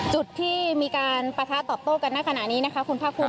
จุดที่มีการปะทะตอบโต้กันในขณะนี้นะคะคุณภาคภูมิ